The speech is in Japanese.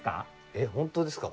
えっ本当ですか？